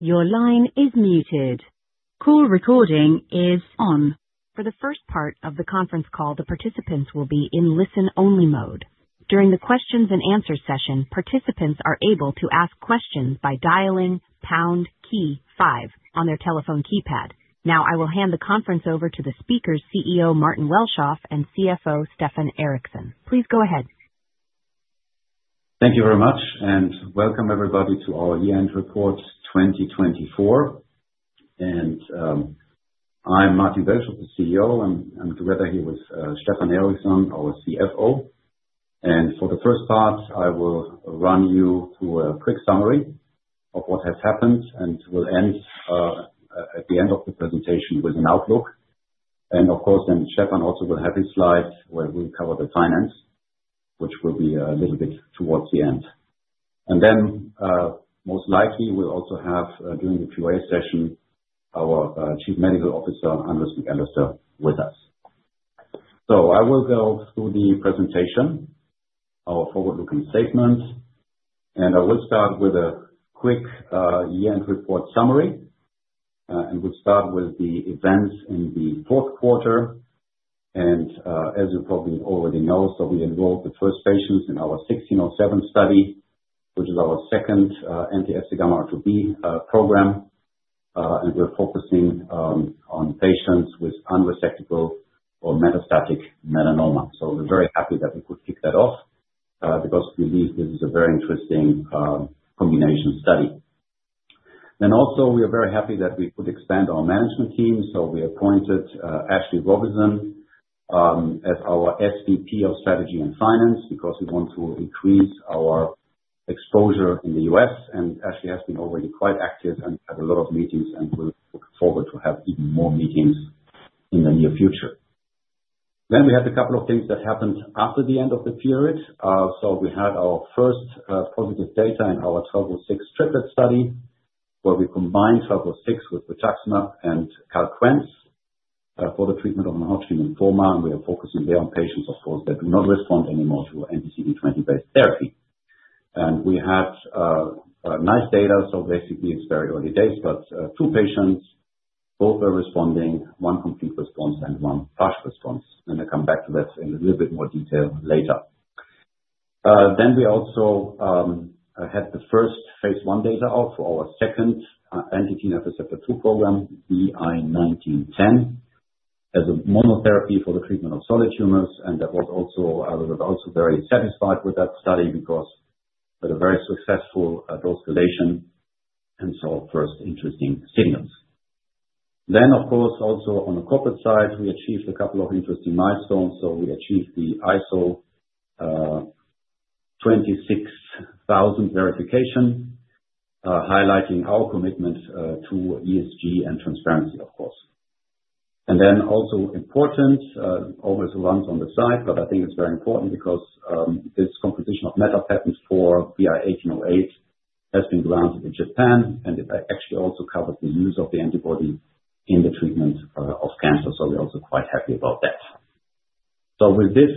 Your line is muted. Call recording is on. For the first part of the conference call, the participants will be in listen-only mode. During the questions & answers session, participants are able to ask questions by dialing pound key five on their telephone keypad. Now, I will hand the conference over to the speakers, CEO Martin Welschof and CFO Stefan Ericsson. Please go ahead. Thank you very much, and welcome everybody to our year-end report 2024. I'm Martin Welschof, the CEO, and I'm together here with Stefan Ericsson, our CFO. For the first part, I will run you through a quick summary of what has happened, and we'll end at the end of the presentation with an outlook. Of course, then Stefan also will have his slides where we'll cover the finance, which will be a little bit towards the end. Most likely, we'll also have, during the Q&A session, our Chief Medical Officer, Andres McAllister, with us. I will go through the presentation, our forward-looking statement, and I will start with a quick year-end report summary. We'll start with the events in the fourth quarter. As you probably already know, we enrolled the first patients in our BI-1607 study, which is our second anti-FcγRIIB program, and we're focusing on patients with unresectable or metastatic melanoma. We are very happy that we could kick that off because we believe this is a very interesting combination study. We are also very happy that we could expand our management team. We appointed Ashley Robinson as our SVP of Strategy and Finance because we want to increase our exposure in the U.S. Ashley has been already quite active and had a lot of meetings, and we're looking forward to having even more meetings in the near future. We had a couple of things that happened after the end of the period. We had our first positive data in our 1206 triplet study, where we combined 1206 with rituximab and Calquence for the treatment of non-Hodgkin lymphoma. We are focusing there on patients, of course, that do not respond anymore to anti-CD20-based therapy. We had nice data, so basically, it's very early days, but two patients, both are responding, one complete response and one partial response. I'll come back to that in a little bit more detail later. We also had the first phase I data out for our second anti-TNFR2 program, BI-1910, as a monotherapy for the treatment of solid tumors. We were also very satisfied with that study because we had a very successful dose escalation and saw first interesting signals. Of course, also on the corporate side, we achieved a couple of interesting milestones. We achieved the ISO 26000 verification, highlighting our commitment to ESG and transparency, of course. Also important, always runs on the side, but I think it's very important because this composition of matter patent for BI-1808 has been granted in Japan, and it actually also covers the use of the antibody in the treatment of cancer. We are also quite happy about that. With this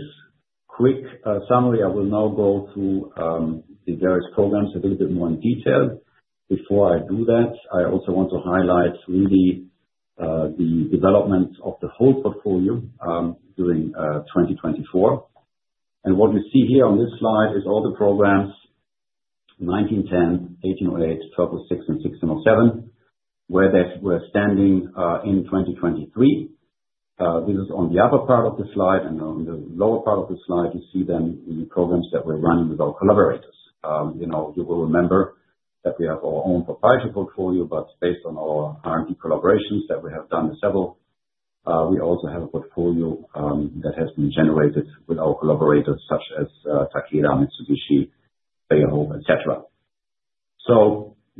quick summary, I will now go through the various programs a little bit more in detail. Before I do that, I also want to highlight really the development of the whole portfolio during 2024. What you see here on this slide is all the programs, 1910, 1808, 1206, and 1607, where they were standing in 2023. This is on the upper part of the slide, and on the lower part of the slide, you see then the programs that we're running with our collaborators. You will remember that we have our own proprietary portfolio, but based on our R&D collaborations that we have done with several, we also have a portfolio that has been generated with our collaborators, such as Takeda, Mitsubishi, Bayer, etc.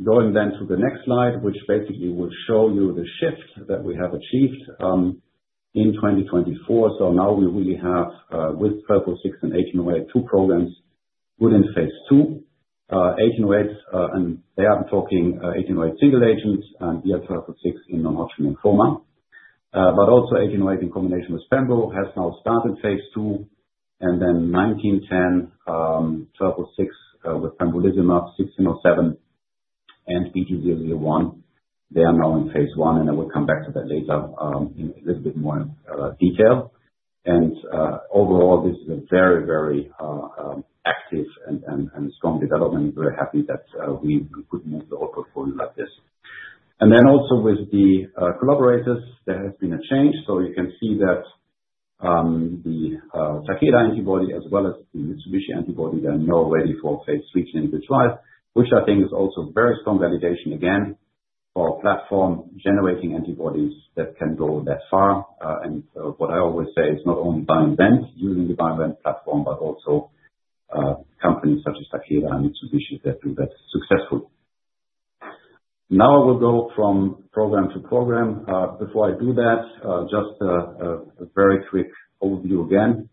Going then to the next slide, which basically will show you the shift that we have achieved in 2024. Now we really have, with BI-1206 and BI-1808, two programs within phase II. BI-1808, and they are talking BI-1808 single agents and BI-1206 in non-Hodgkin lymphoma. Also, BI-1808 in combination with pembrol has now started phase II. Then 1910, 1206 with pembrolizumab, 1607, and BT-001, they are now in phase I, and I will come back to that later in a little bit more detail. Overall, this is a very, very active and strong development. We are very happy that we could move the whole portfolio like this. Also with the collaborators, there has been a change. You can see that the Takeda antibody as well as the Mitsubishi antibody, they are now ready for phase III clinical trials, which I think is also very strong validation again for platform-generating antibodies that can go that far. What I always say is not only BioInvent using the BioInvent platform, but also companies such as Takeda and Mitsubishi that do that successfully. I will go from program to program. Before I do that, just a very quick overview again.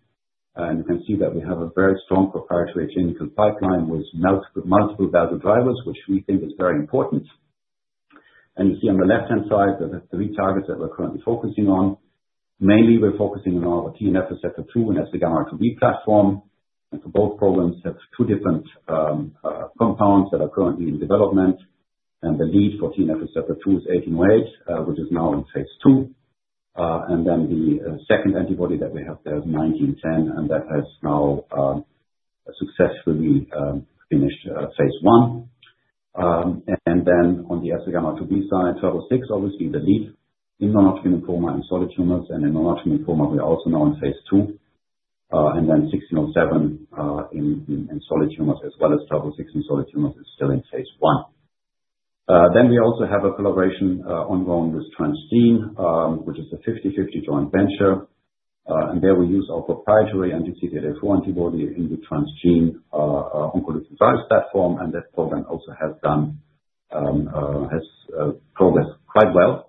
You can see that we have a very strong proprietary clinical pipeline with multiple value drivers, which we think is very important. You see on the left-hand side that there are three targets that we're currently focusing on. Mainly, we're focusing on our TNFR2 and FcγRIIB platform. For both programs, we have two different compounds that are currently in development. The lead for TNFR2 is BI-1808, which is now in phase II. The second antibody that we have there is BI-1910, and that has now successfully finished phase I. On the FcγRIIB side, BI-1206 is obviously the lead in non-Hodgkin lymphoma and solid tumors. In non-Hodgkin lymphoma, we're also now in phase II. BI-1607 in solid tumors, as well as BI-1206 in solid tumors, is still in phase I. We also have a collaboration ongoing with Transgene, which is a 50/50 joint venture. There we use our proprietary anti-CD84 antibody in the Transgene oncolytic virus platform. That program also has progressed quite well.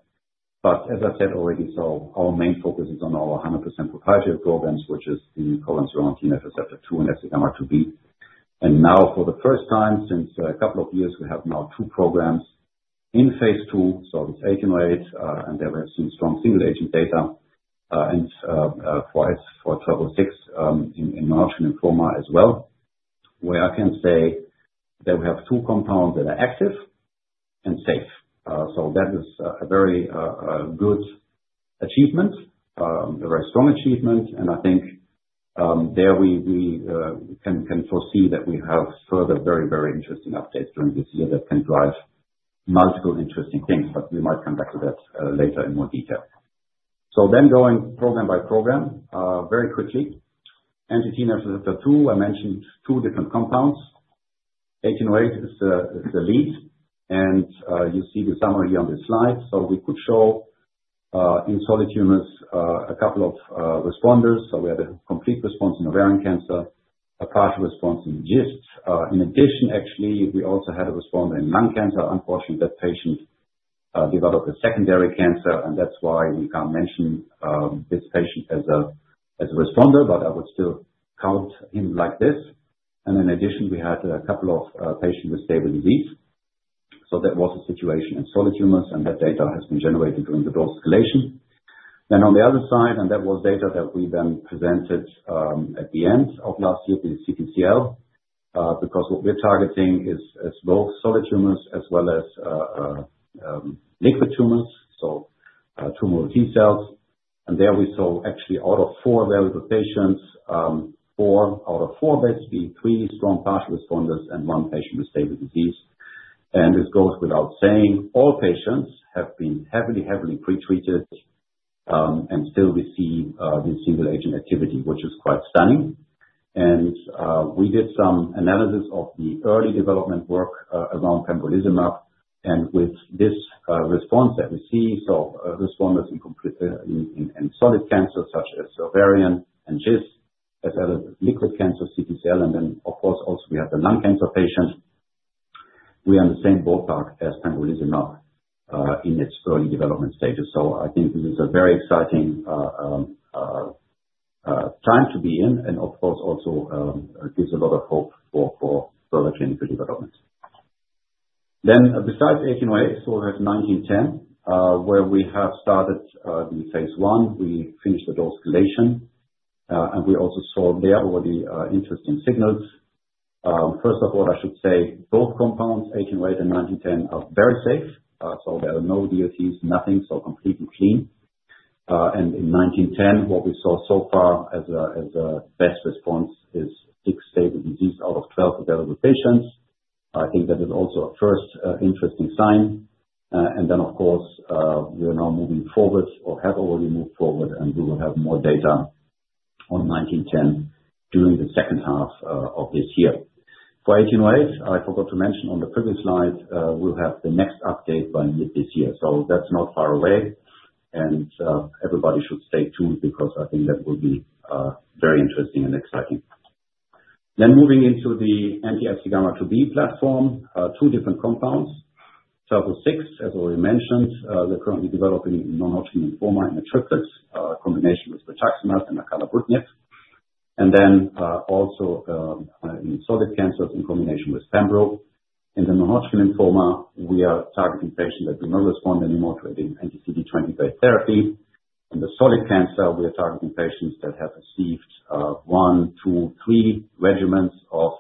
As I have said already, our main focus is on our 100% proprietary programs, which is the co-stimulatory TNF receptor II and FcγRIIB. Now for the first time since a couple of years, we have two programs in phase II. It is 1808, and there we have seen strong single-agent data for 1206 in non-Hodgkin lymphoma as well, where I can say that we have two compounds that are active and safe. That is a very good achievement, a very strong achievement. I think there we can foresee that we have further very, very interesting updates during this year that can drive multiple interesting things. We might come back to that later in more detail. Going program by program, very quickly, anti-TNFR2, I mentioned two different compounds. BI-1808 is the lead. You see the summary on the slide. We could show in solid tumors a couple of responders. We had a complete response in ovarian cancer, a partial response in gastrointestinal stromal tumor. In addition, actually, we also had a responder in lung cancer. Unfortunately, that patient developed a secondary cancer, and that is why we cannot mention this patient as a responder, but I would still count him like this. In addition, we had a couple of patients with stable disease. That was a situation in solid tumors, and that data has been generated during the dose escalation. On the other side, that was data that we then presented at the end of last year to the CTCL because what we're targeting is both solid tumors as well as liquid tumors, so tumor T cells. There we saw actually out of four available patients, four out of four, basically three strong partial responders and one patient with stable disease. This goes without saying, all patients have been heavily, heavily pretreated, and still we see the single-agent activity, which is quite stunning. We did some analysis of the early development work around pembrolizumab. With this response that we see, so responders in solid cancer such as ovarian and GIST, as well as liquid cancer CTCL, and then of course also we have the lung cancer patients, we are in the same ballpark as pembrolizumab in its early development stages. I think this is a very exciting time to be in, and of course also gives a lot of hope for further clinical development. Besides 1808, we have 1910, where we have started the phase I. We finished the dose escalation, and we also saw there were the interesting signals. First of all, I should say both compounds, 1808 and 1910, are very safe. There are no DLTs, nothing, so completely clean. In 1910, what we saw so far as a best response is six stable disease out of 12 available patients. I think that is also a first interesting sign. Of course, we are now moving forward or have already moved forward, and we will have more data on 1910 during the second half of this year. For 1808, I forgot to mention on the previous slide, we'll have the next update by mid this year. That is not far away, and everybody should stay tuned because I think that will be very interesting and exciting. Moving into the anti-FcγRIIB platform, two different compounds, 1206, as already mentioned, we're currently developing non-Hodgkin lymphoma in the triplets in combination with rituximab and acalabrutinib. Also in solid cancers in combination with pembrolizumab. In the non-Hodgkin lymphoma, we are targeting patients that do not respond anymore to anti-CD20-based therapy. In the solid cancer, we are targeting patients that have received one, two, three regimens of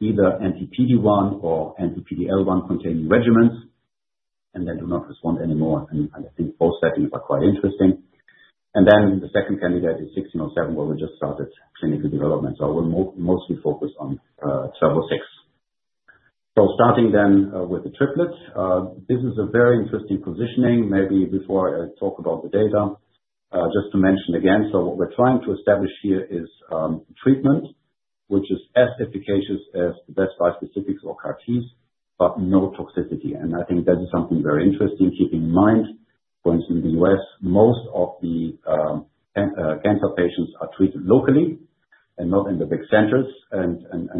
either anti-PD-1 or anti-PD-L1-containing regimens and then do not respond anymore. I think both settings are quite interesting. The second candidate is 1607, where we just started clinical development. We'll mostly focus on 1206. Starting then with the triplet, this is a very interesting positioning. Maybe before I talk about the data, just to mention again, what we're trying to establish here is treatment which is as efficacious as the best bispecifics or CAR-Ts, but no toxicity. I think that is something very interesting keeping in mind, for instance, in the U.S., most of the cancer patients are treated locally and not in the big centers.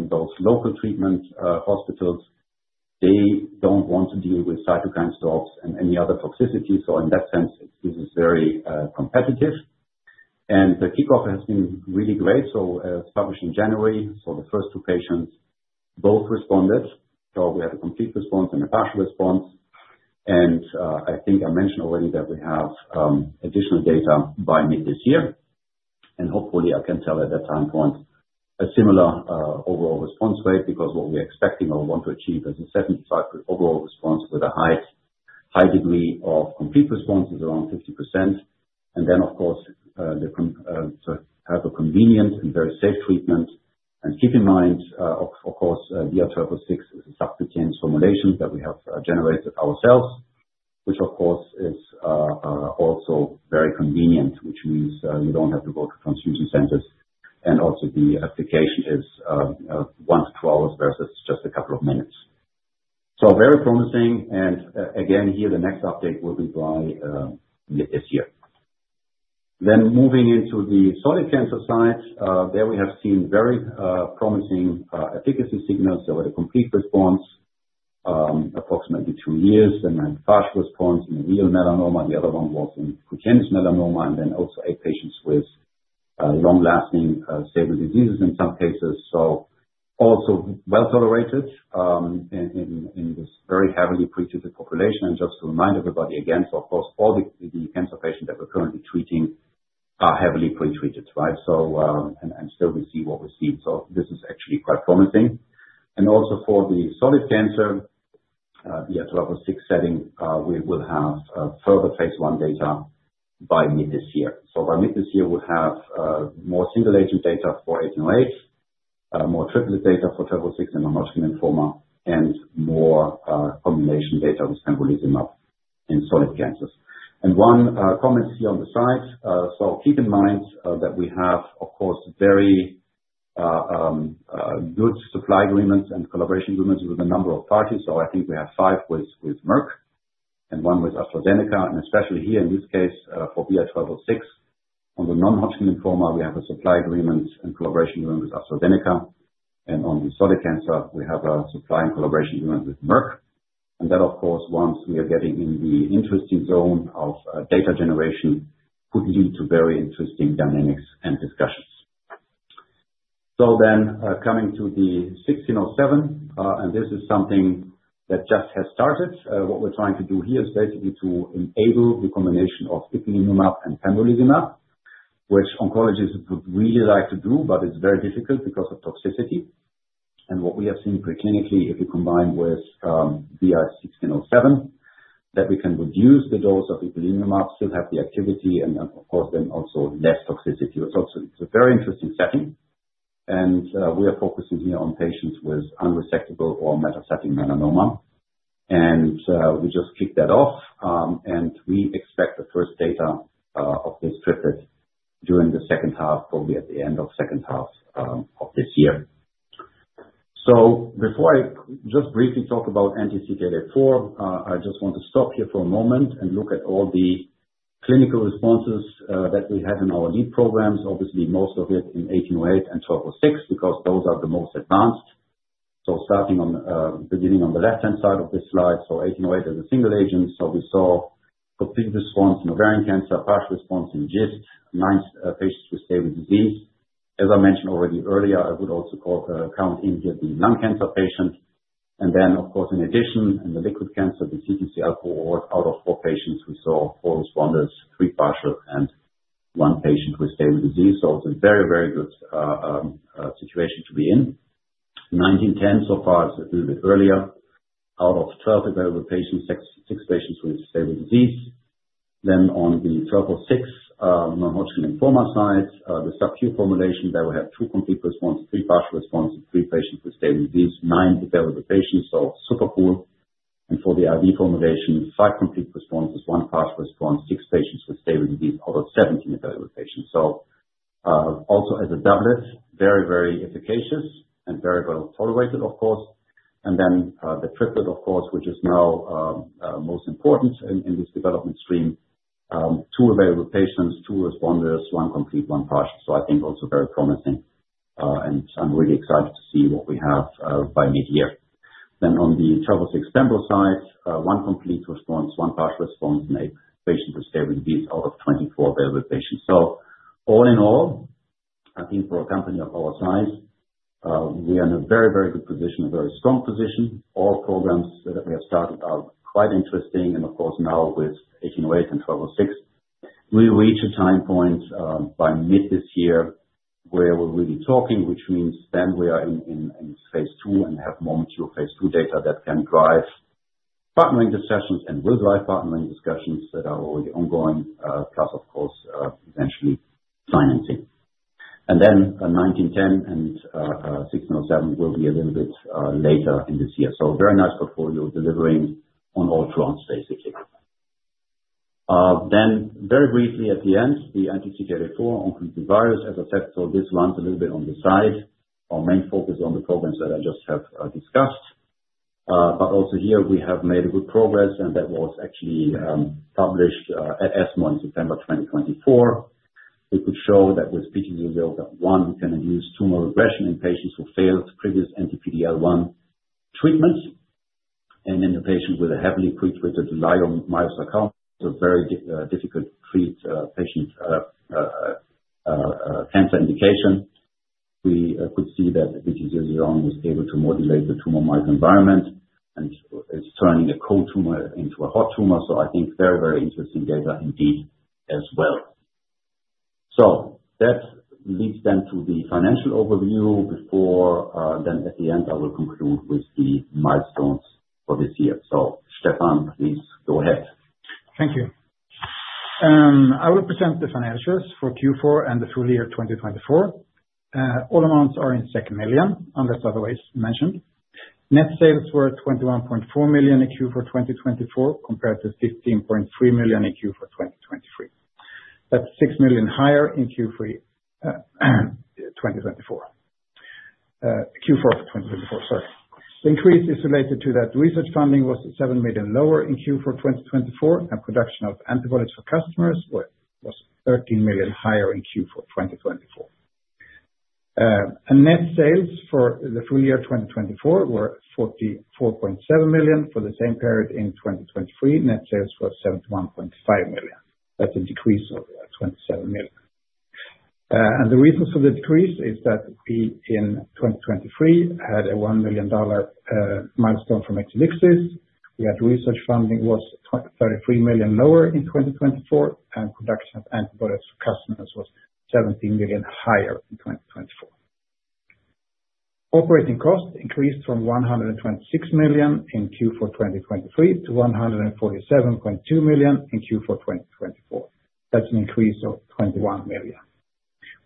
Those local treatment hospitals, they don't want to deal with cytokine storms and any other toxicity. In that sense, this is very competitive. The kickoff has been really great. It was published in January. The first two patients both responded. We had a complete response and a partial response. I think I mentioned already that we have additional data by mid this year. Hopefully, I can tell at that time point a similar overall response rate because what we're expecting or want to achieve is a 75% overall response with a high degree of complete responses around 50%. Of course, to have a convenient and very safe treatment. Keep in mind, of course, BI-1206 is a subcutaneous formulation that we have generated ourselves, which of course is also very convenient, which means you don't have to go to transfusion centers. Also, the application is one to two hours versus just a couple of minutes. Very promising. Again, here, the next update will be by mid this year. Moving into the solid cancer side, there we have seen very promising efficacy signals. There were complete responses approximately two years, then partial response in a uveal melanoma. The other one was in cutaneous melanoma, and then also eight patients with long-lasting stable diseases in some cases. Also well tolerated in this very heavily pretreated population. Just to remind everybody again, all the cancer patients that we're currently treating are heavily pretreated, right? Still we see what we've seen. This is actually quite promising. Also for the solid cancer, BI-1206 setting, we will have further phase I data by mid this year. By mid this year, we'll have more single-agent data for 1808, more triplet data for 1206 in non-Hodgkin lymphoma, and more combination data with pembrolizumab in solid cancers. One comment here on the side, keep in mind that we have, of course, very good supply agreements and collaboration agreements with a number of parties. I think we have five with Merck and one with AstraZeneca. Especially here in this case for BI-1206, on the non-Hodgkin lymphoma, we have a supply agreement and collaboration agreement with AstraZeneca. On the solid cancer, we have a supply and collaboration agreement with Merck. That, of course, once we are getting in the interesting zone of data generation, could lead to very interesting dynamics and discussions. Coming to the 1607, and this is something that just has started. What we're trying to do here is basically to enable the combination of ipilimumab and pembrolizumab, which oncologists would really like to do, but it's very difficult because of toxicity. What we have seen preclinically, if you combine with BI-1607, is that we can reduce the dose of ipilimumab, still have the activity, and of course, then also less toxicity. It's a very interesting setting. We are focusing here on patients with unresectable or metastatic melanoma. We just kicked that off. We expect the first data of this triplet during the second half, probably at the end of the second half of this year. Before I just briefly talk about anti-CD84, I just want to stop here for a moment and look at all the clinical responses that we have in our lead programs. Obviously, most of it in 1808 and 1206 because those are the most advanced. Starting on the left-hand side of this slide, 1808 is a single agent. We saw complete response in ovarian cancer, partial response in GIST, nine patients with stable disease. As I mentioned already earlier, I would also count in here the lung cancer patient. Of course, in addition, in the liquid cancer, the CTCL cohort, out of four patients, we saw four responders, three partial, and one patient with stable disease. It is a very, very good situation to be in. 1910 so far is a little bit earlier. Out of 12 available patients, six patients with stable disease. On the 1206 non-Hodgkin lymphoma side, the subQ formulation, there were two complete responses, three partial responses, three patients with stable disease, nine available patients. Super cool. For the IV formulation, five complete responses, one partial response, six patients with stable disease out of 17 available patients. Also as a doublet, very, very efficacious and very well tolerated, of course. The triplet, which is now most important in this development stream, two available patients, two responders, one complete, one partial. I think also very promising. I'm really excited to see what we have by mid year. On the 1206 pembrol side, one complete response, one partial response, and a patient with stable disease out of 24 available patients. All in all, I think for a company of our size, we are in a very, very good position, a very strong position. All programs that we have started are quite interesting. Of course, now with 1808 and 1206, we reach a time point by mid this year where we're really talking, which means we are in phase II and have more mature phase II data that can drive partnering discussions and will drive partnering discussions that are already ongoing, plus eventually financing. 1910 and 1607 will be a little bit later in this year. Very nice portfolio delivering on all fronts, basically. Then very briefly at the end, the anti-CD84 oncolytic virus, as I said. This runs a little bit on the side. Our main focus is on the programs that I just have discussed. Also here, we have made good progress, and that was actually published at ESMO in September 2024. We could show that with BT-001, we can induce tumor regression in patients who failed previous anti-PDL1 treatments. In a patient with a heavily pretreated leiomyosarcoma, it is a very difficult-to-treat patient cancer indication. We could see that BT-001 was able to modulate the tumor microenvironment and is turning a cold tumor into a hot tumor. I think very, very interesting data indeed as well. That leads then to the financial overview. Before then at the end, I will conclude with the milestones for this year. Stefan, please go ahead. Thank you. I will present the financials for Q4 and the full year 2024. All amounts are in million, unless otherwise mentioned. Net sales were 21.4 million in Q4 2024 compared to 15.3 million in Q4 2023. That is 6 million higher in Q4 2024. Sorry. The increase is related to that research funding was 7 million lower in Q4 2024, and production of antibodies for customers was 13 million higher in Q4 2024. Net sales for the full year 2024 were 44.7 million. For the same period in 2023, net sales were 71.5 million. That is a decrease of 27 million. The reason for the decrease is that in 2023, we had a $1 million milestone from Exelixis. We had research funding was 33 million lower in 2024, and production of antibodies for customers was 17 million higher in 2024. Operating cost increased from 126 million in Q4 2023 to 147.2 million in Q4 2024. That's an increase of 21 million.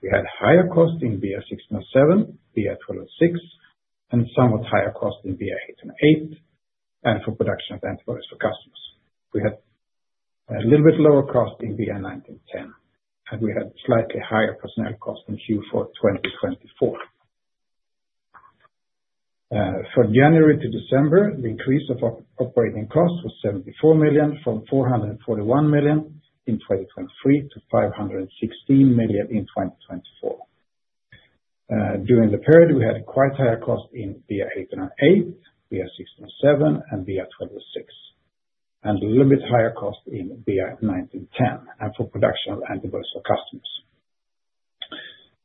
We had higher cost in BI-1607, BI-1206, and somewhat higher cost in BI-1808 and for production of antibodies for customers. We had a little bit lower cost in BI-1910, and we had slightly higher personnel cost in Q4 2024. From January to December, the increase of operating cost was 74 million from 441 million in 2023 to 516 million in 2024. During the period, we had quite higher cost in BI-1808, BI-1607, and BI-1206, and a little bit higher cost in BI-1910 and for production of antibodies for customers.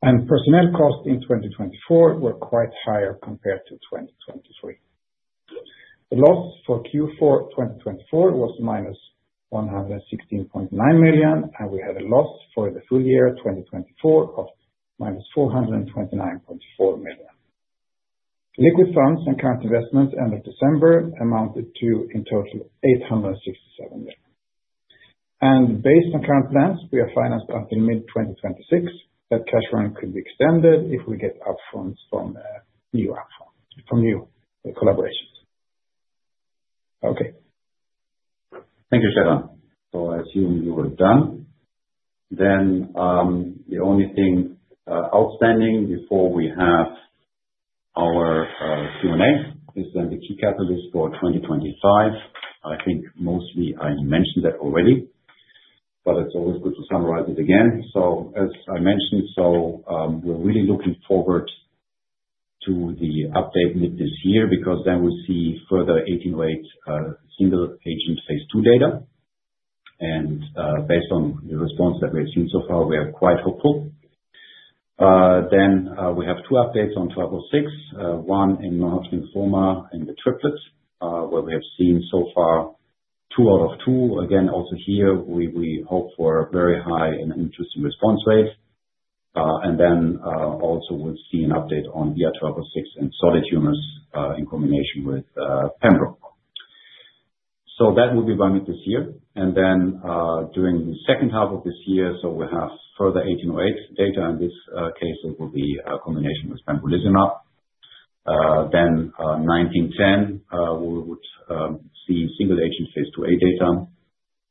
Personnel cost in 2024 were quite higher compared to 2023. The loss for Q4 2024 was minus 116.9 million, and we had a loss for the full year 2024 of -429.4 million. Liquid funds and current investments end of December amounted to, in total, 867 million. Based on current plans, we are financed until mid 2026. That cash run could be extended if we get upfronts from new collaborations. Okay. Thank you, Stefan. I assume you are done. The only thing outstanding before we have our Q&A is the key catalyst for 2025. I think mostly I mentioned that already, but it's always good to summarize it again. As I mentioned, we're really looking forward to the update mid this year because then we'll see further BI-1808 single agent phase II data. Based on the response that we have seen so far, we are quite hopeful. We have two updates on BI-1206, one in non-Hodgkin lymphoma and the triplet, where we have seen so far two out of two. Also here, we hope for a very high and interesting response rate. We will see an update on BI-1206 in solid tumors in combination with pembrol. That will be by mid this year. During the second half of this year, we have further 1808 data. In this case, it will be a combination with pembrolizumab. Then 1910, we would see single agent phase II-A data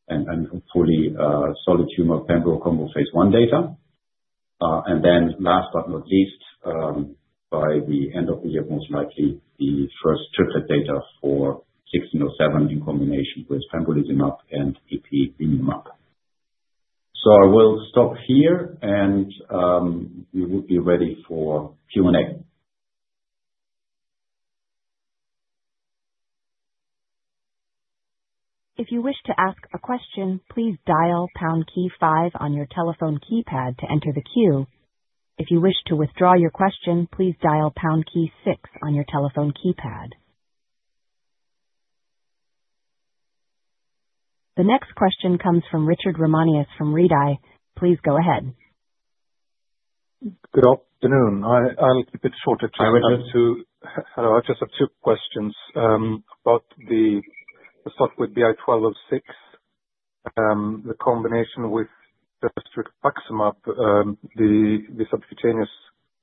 and hopefully solid tumor pembrolizumab combo phase I data. Last but not least, by the end of the year, most likely the first triplet data for 1607 in combination with pembrolizumab and ipilimumab. I will stop here, and we will be ready for Q&A. If you wish to ask a question, please dial pound key five on your telephone keypad to enter the queue. If you wish to withdraw your question, please dial pound key six on your telephone keypad. The next question comes from Richard Ramanius from Redeye. Please go ahead. Good afternoon. I'll keep it short. I just have two questions about the. Start with BI-1206, the combination with the subcutaneous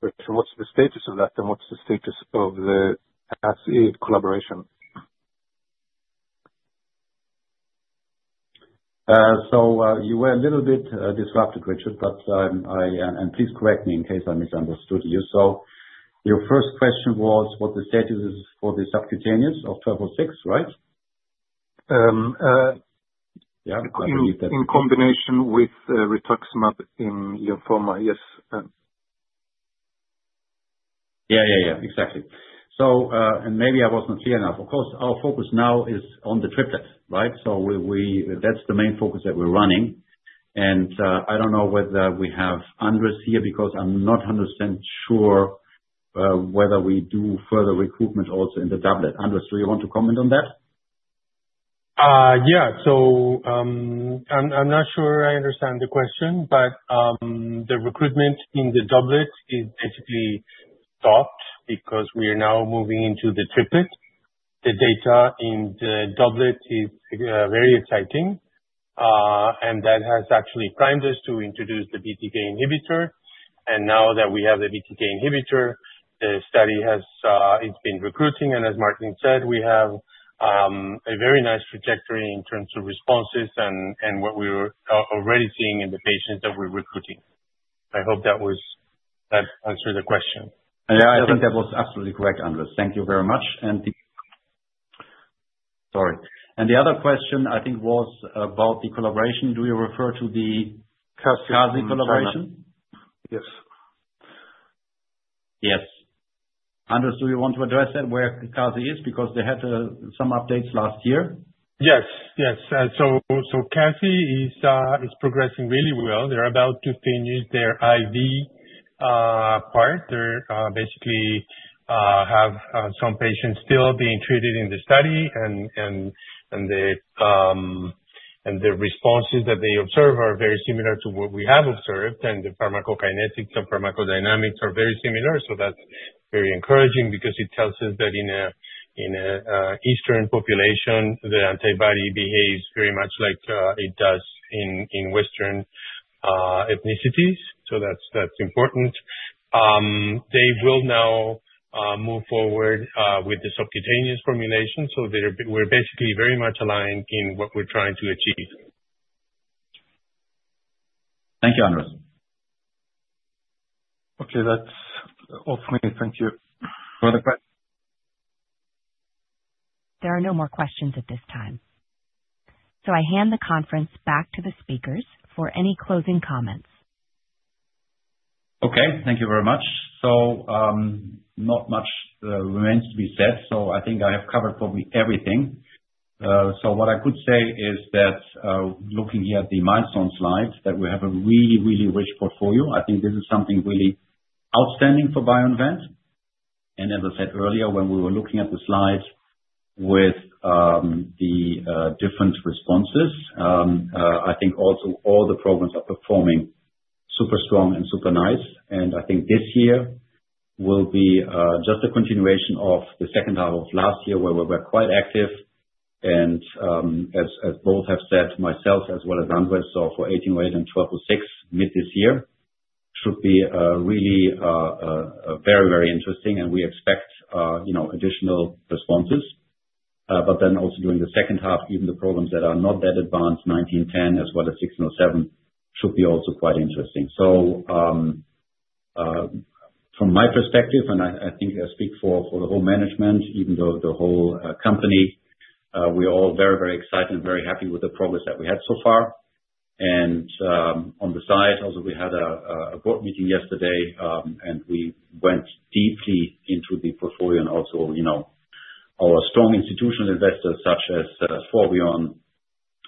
rituximab version. What's the status of that, and what's the status of the AstraZeneca collaboration? You were a little bit disrupted, Richard, and please correct me in case I misunderstood you. Your first question was, what the status is for the subcutaneous of 1206, right? In combination with rituximab in lymphoma, yes. Yeah, yeah, yeah, exactly. Maybe I wasn't clear enough. Of course, our focus now is on the triplet, right? That's the main focus that we're running. I don't know whether we have Andres here because I'm not 100% sure whether we do further recruitment also in the doublet. Andres, do you want to comment on that? Yeah. I'm not sure I understand the question, but the recruitment in the doublet is basically stopped because we are now moving into the triplet. The data in the doublet is very exciting, and that has actually primed us to introduce the BTK inhibitor. Now that we have the BTK inhibitor, the study has been recruiting. As Martin said, we have a very nice trajectory in terms of responses and what we were already seeing in the patients that we're recruiting. I hope that answered the question. Yeah, I think that was absolutely correct, Andres. Thank you very much. The other question, I think, was about the collaboration. Do you refer to the CASI collaboration? Yes. Yes. Andres, do you want to address that where CASI is because they had some updates last year? Yes, yes. CASI is progressing really well. They're about to finish their IV part. They basically have some patients still being treated in the study, and the responses that they observe are very similar to what we have observed. The pharmacokinetics and pharmacodynamics are very similar. That's very encouraging because it tells us that in an Eastern population, the antibody behaves very much like it does in Western ethnicities. That's important. They will now move forward with the subcutaneous formulation. We're basically very much aligned in what we're trying to achieve. Thank you, Andres. Okay, that's all from me. Thank you. There are no more questions at this time. I hand the conference back to the speakers for any closing comments. Okay, thank you very much. Not much remains to be said. I think I have covered probably everything. What I could say is that looking here at the milestone slides, we have a really, really rich portfolio. I think this is something really outstanding for BioInvent. As I said earlier, when we were looking at the slides with the different responses, I think also all the programs are performing super strong and super nice. I think this year will be just a continuation of the second half of last year where we were quite active. As both have said, myself as well as Andres, for 1808 and 1206 mid this year should be really very, very interesting. We expect additional responses. During the second half, even the programs that are not that advanced, 1910 as well as 1607, should be also quite interesting. From my perspective, and I think I speak for the whole management, even the whole company, we are all very, very excited and very happy with the progress that we had so far. On the side, also we had a board meeting yesterday, and we went deeply into the portfolio and also our strong institutional investors such as Forbion,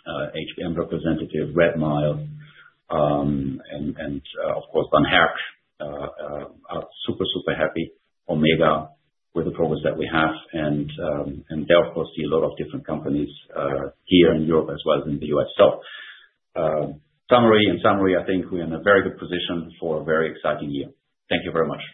HBM representative, Redmile, and of course, Van Herk are super, super happy or mega with the progress that we have. They, of course, see a lot of different companies here in Europe as well as in the U.S. In summary, I think we're in a very good position for a very exciting year. Thank you very much.